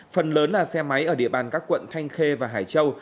phần lớn là xe máy ở địa bàn các quận thanh khê và hải châu